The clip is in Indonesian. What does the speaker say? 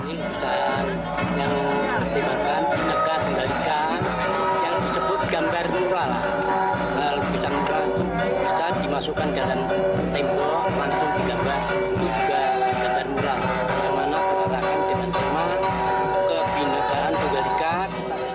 itu juga gambar mural yang mana tergerakkan dengan jemaah pindahan juga dekat